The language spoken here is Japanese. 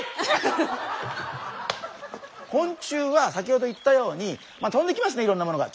昆虫は先ほど言ったように飛んできますねいろんなものが。